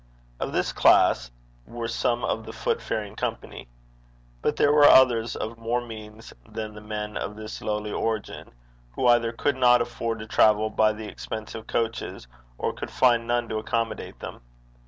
Of this class were some of the footfaring company. But there were others of more means than the men of this lowly origin, who either could not afford to travel by the expensive coaches, or could find none to accommodate them.